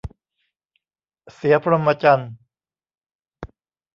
เสียพรหมจรรย์